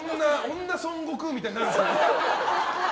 女孫悟空みたいになるんですね。